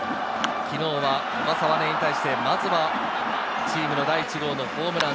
昨日は小笠原に対して、まずはチームの第１号のホームラン。